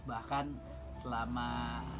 bahkan selama tiga bulan